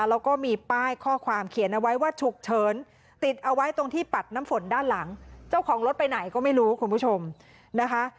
แล้วก็มีป้ายข้อความเขียนเอาไว้ว่าฉุกเฉินติดเอาไว้ตรงที่ปัดน้ำฝนด้านหลังเจ้าของรถไปไหนก็ไม่รู้คุณผู้ชมนะคะ